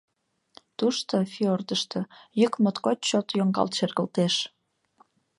Тушто, фиордышто, йӱк моткоч чот йоҥгалт шергылтеш...